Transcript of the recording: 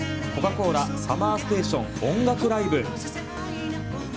・コーラＳＵＭＭＥＲＳＴＡＴＩＯＮ音楽ＬＩＶＥ！